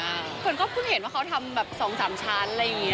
คนก็เพิ่งเห็นว่าเขาทำแบบ๒๓ชั้นอะไรอย่างนี้